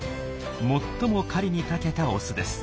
最も狩りにたけたオスです。